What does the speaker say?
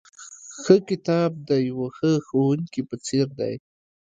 ښه کتاب د یوه ښه ښوونکي په څېر دی.